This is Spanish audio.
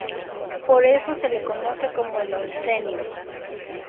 Por eso se le conoce como el Oncenio.